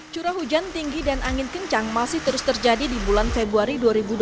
curah hujan tinggi dan angin kencang masih terus terjadi di bulan februari dua ribu dua puluh